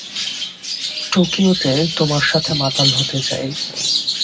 টোকিওতে তোমার সাথে মাতাল হতে চাই।